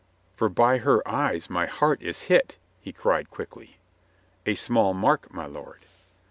" 'For by her eyes my heart is hit,* " he cried quickly. "A small mark, my lord."